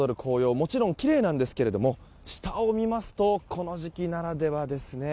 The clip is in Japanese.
もちろんきれいなんですけど下を見ますとこの時期ならではですね。